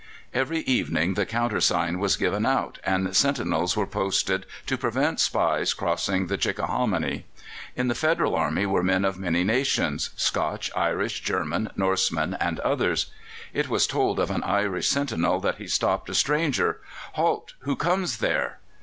Every evening the countersign was given out, and sentinels were posted to prevent spies crossing the Chickahominy. In the Federal Army were men of many nations Scotch, Irish, German, Norsemen, and others. It was told of an Irish sentinel that he stopped a stranger. "Halt! Who comes there?"